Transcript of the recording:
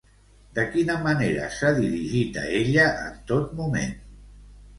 De quina manera s'ha dirigit a ella en tot moment?